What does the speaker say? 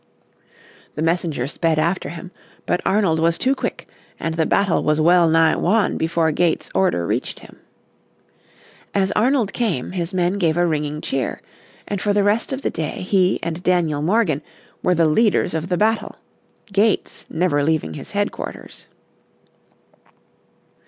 The messenger sped after him. But Arnold was too quick, and the battle was well nigh won before Gates' order reached him. As Arnold came his men gave a ringing cheer, and for the rest of the day he and Daniel Morgan were the leaders of the battle, Gates never leaving his headquarters.